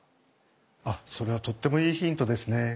あっそれはとってもいいヒントですね。